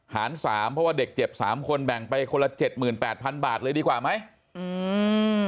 หารสามเพราะว่าเด็กเจ็บสามคนแบ่งไปคนละเจ็ดหมื่นแปดพันบาทเลยดีกว่าไหมอืม